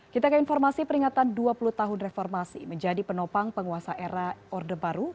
kita ke informasi peringatan dua puluh tahun reformasi menjadi penopang penguasa era orde baru